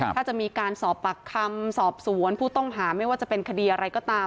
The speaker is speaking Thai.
ถ้าจะมีการสอบปากคำสอบสวนผู้ต้องหาไม่ว่าจะเป็นคดีอะไรก็ตาม